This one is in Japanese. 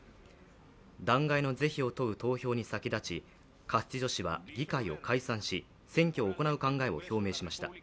弾劾の是非を問う投票に先立ちカスティジョ氏は議会を解散し、選挙を行う考えを表明しました。